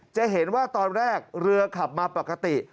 จะเห็นว่าตอนแรกเรือขับมาปกติ